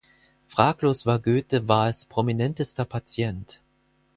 Fraglos war Goethe Wahls prominentester Patient.